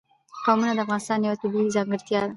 قومونه د افغانستان یوه طبیعي ځانګړتیا ده.